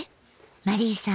マリーさん